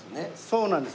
そうなんです。